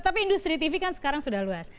tapi industri tv kan sekarang sudah luas